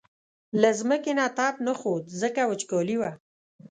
له ځمکې نه تپ نه خوت ځکه وچکالي وه.